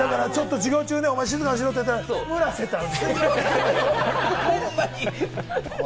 授業中、「静かにしろ」って言ったら、「むらせたん」